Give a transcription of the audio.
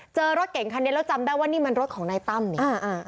รถเก่งคันนี้แล้วจำได้ว่านี่มันรถของนายตั้มนี่